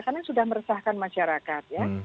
karena sudah meresahkan masyarakat ya